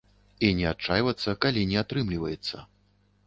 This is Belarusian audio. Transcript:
І не адчайвацца, калі не атрымліваецца.